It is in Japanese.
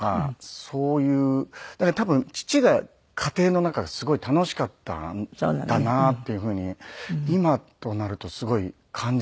だから多分父が家庭の中がすごい楽しかったんだなっていうふうに今となるとすごい感じますね。